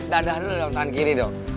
dadah lu dong tahan kiri dong